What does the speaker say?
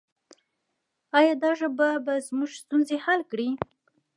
آیا دا ژباړه به زموږ ستونزې حل کړي؟